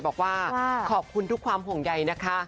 บอกว่าขอบคุณทุกความห่วงใยนะคะ